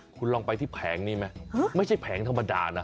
คุณลองไปที่แผงนี้ไหมไม่ใช่แผงธรรมดานะ